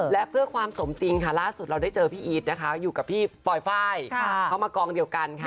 และเพื่อความสมจริงค่ะล่าสุดเราได้เจอพี่อีทนะคะอยู่กับพี่ปลอยไฟล์เข้ามากองเดียวกันค่ะ